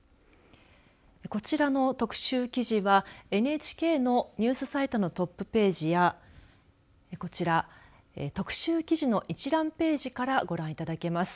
こちらの特集記事はＮＨＫのニュースサイトのトップページやこちら特集記事の一覧ページからご覧いただけます。